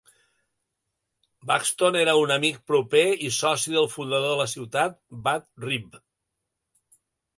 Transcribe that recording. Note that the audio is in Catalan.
Buxton era un amic proper i soci del fundador de la ciutat, Budd Reeve.